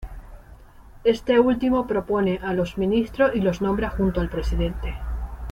Este último propone a los ministros y los nombra junto al presidente.